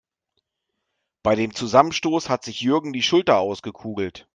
Bei dem Zusammenstoß hat sich Jürgen die Schulter ausgekugelt.